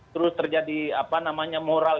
terus terjadi moral